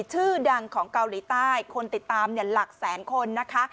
ชื่อดังของเกาหลีใต้คนติดตามหลักแสนคนนะคะ